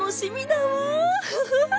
ウフフフ」。